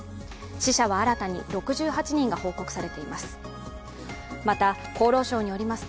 死者は新たに６８人が報告されています。